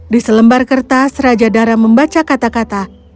di selembar kertas raja dara membaca kata kata